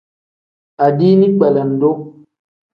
Adiini kpelendu.